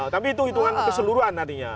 tapi itu hitungan keseluruhan nantinya